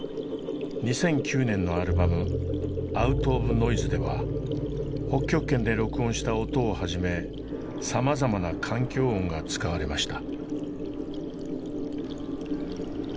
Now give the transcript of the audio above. ２００９年のアルバム「ｏｕｔｏｆｎｏｉｓｅ」では北極圏で録音した音をはじめさまざまな環境音が使われました。